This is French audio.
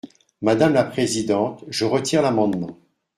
Madame la présidente, je retire l’amendement.